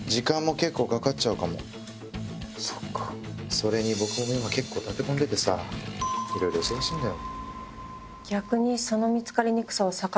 それに僕も今結構立て込んでてさいろいろ忙しいんだよ。